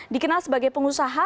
dikenal sebagai pengusaha